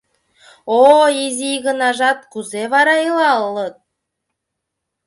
Ой, изи игынажат кузе вара илалыт?